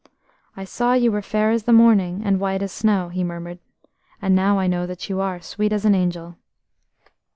"I saw you were fair as morning, and white as snow," he murmured, "and now I know that you are sweet as an angel."